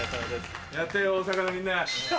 やったよ大阪のみんな。